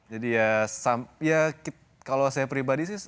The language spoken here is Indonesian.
jadi ya kalau saya pribadi sih